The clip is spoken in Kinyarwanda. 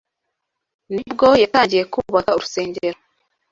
ni bwo yatangiye kubaka urusengero